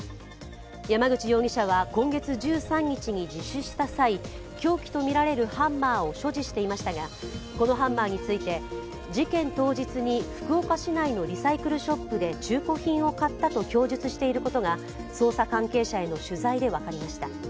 山口容疑者は今月１３日に自首した際、凶器と見られるハンマーを所持していましたがこのハンマーについて、事件当日に福岡市内のリサイクルショップで中古品を買ったと供述していることが捜査関係者への取材で分かりました。